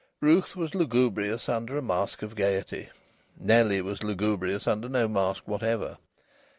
Ruth was lugubrious under a mask of gaiety; Nellie was lugubrious under no mask whatever.